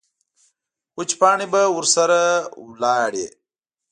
وچې پاڼې به ورسره لاړې.